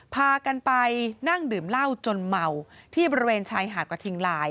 พากันไปนั่งดื่มเหล้าจนเมาที่บริเวณชายหาดกระทิงลาย